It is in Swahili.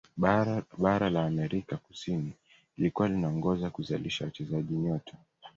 bara la amerika kusini lilikuwa linaongoza kuzalisha wachezaji nyota